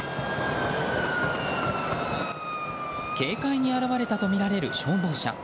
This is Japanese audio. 警戒に現れたとみられる消防車。